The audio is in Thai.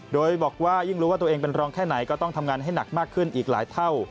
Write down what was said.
โดยบอกว่ายิ่งรู้ว่าตัวเองเป็นรองแค่ไหนก็ต้องทำงานให้หนักมากขึ้นอีกหลายเท่า